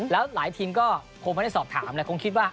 แล้วหลายทีมก็คงไม่ได้สอบถามแหละคงคิดว่า